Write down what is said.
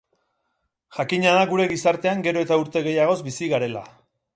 Jakina da gure gizartean gero eta urte gehiagoz bizi garela.